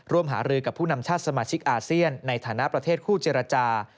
หารือกับผู้นำชาติสมาชิกอาเซียนในฐานะประเทศคู่เจรจา